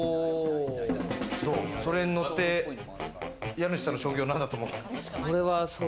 それに乗って、家主さんの職業なんだと思う？